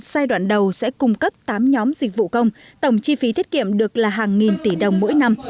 giai đoạn đầu sẽ cung cấp tám nhóm dịch vụ công tổng chi phí thiết kiệm được là hàng nghìn tỷ đồng mỗi năm